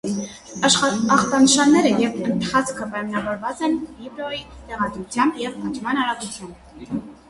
Ախտանշանները և ընթացքը պայմանավորված են ֆիբրոմայի տեղադրությամբ և աճման արագությամբ։